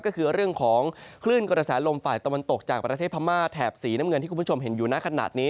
ก็คือเรื่องของคลื่นกระแสลมฝ่ายตะวันตกจากประเทศพม่าแถบสีน้ำเงินที่คุณผู้ชมเห็นอยู่ในขณะนี้